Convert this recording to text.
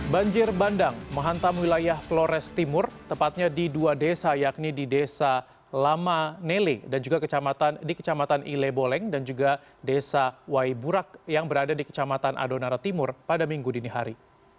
banjir bandang menghantam wilayah flores timur tepatnya di dua desa yakni di desa lama nele dan juga di kecamatan ile boleng dan juga desa waiburak yang berada di kecamatan adonara timur pada minggu dini hari